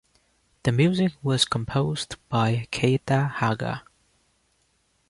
The music was composed by Keita Haga.